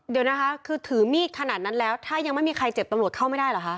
เดี๋ยวนะคะคือถือมีดขนาดนั้นแล้วถ้ายังไม่มีใครเจ็บตำรวจเข้าไม่ได้เหรอคะ